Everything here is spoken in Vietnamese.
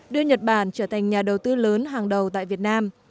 đưa nhật bản trở thành nhà đầu tư lớn hàng đầu tại việt nam